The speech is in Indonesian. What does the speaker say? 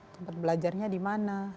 tempat belajarnya di mana